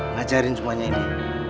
ngajarin semuanya ini